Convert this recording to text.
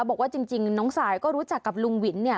บอกว่าจริงน้องสายก็รู้จักกับลุงวินเนี่ย